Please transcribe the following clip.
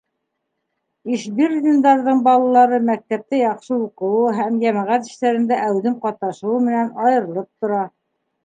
Ишбирҙиндарҙың балалары мәктәптә яҡшы уҡыуы һәм йәмәғәт эштәрендә әүҙем ҡатнашыуы менән айырылып тора.